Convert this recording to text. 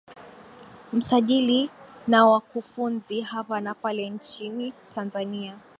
msajili na wakufunzi hapa na pale nchini tanzania